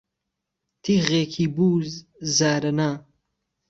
تیخێکی بوو زارهنا